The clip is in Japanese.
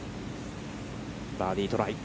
バーディートライ。